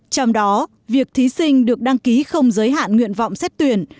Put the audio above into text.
trong đó việc thí sinh được đăng ký không giới hạn nguyện vọng xét tuyển